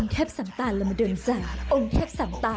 เจ้าแจริมเจ้า